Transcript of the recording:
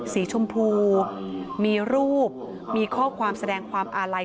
สีชมพูมีรูปมีข้อความแสดงความอาลัย